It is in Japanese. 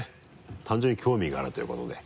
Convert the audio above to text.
単純に興味があるということで。